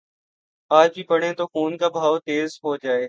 آج بھی پڑھیں تو خون کا بہاؤ تیز ہو جائے۔